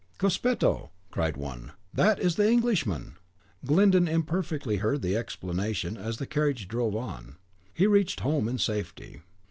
"Cospetto!" cried one; "that is the Englishman!" Glyndon imperfectly heard the exclamation as the carriage drove on. He reached home in safety.